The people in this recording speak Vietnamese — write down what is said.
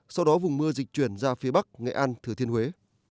sau đó vùng mưa dịch chuyển ra phía bắc nghệ an thừa thiên huế